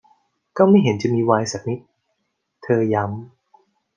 'ก็ไม่เห็นจะมีไวน์สักนิด' เธอย้ำ